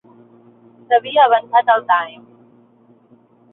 S'havia avançat al Time.